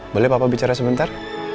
boleh papa bicara sebentar